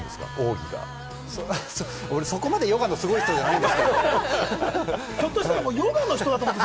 奥そこまでヨガのすごい人じゃないですから。